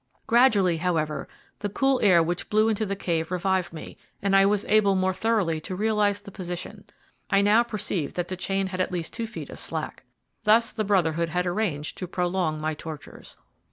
Gradually, however, the cool air which blew into the cave revived me, and I was able more thoroughly to realize the position. I now perceived that the chain had at least two feet of slack. Thus the Brotherhood had arranged to prolong my tortures.